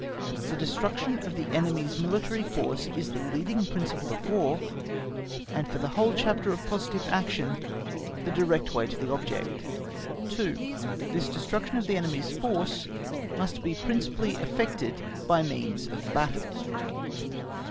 The destruction of the enemy's military force, is the leading principle of War, and for the whole chapter of positive action the direct way to the object. 2. This destruction of the enemy's force, must be principally effected by means of battle.